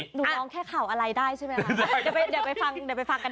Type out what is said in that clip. หนูน้องแค่ข่าวอะไรได้ใช่ไหมครับ